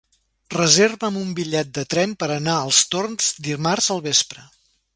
Reserva'm un bitllet de tren per anar als Torms dimarts al vespre.